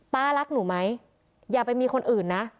รักหนูไหมอย่าไปมีคนอื่นนะ